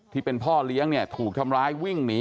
ที่เป็นพ่อเลี้ยงเนี่ยถูกทำร้ายวิ่งหนี